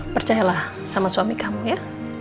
percayalah sama suami kamu ya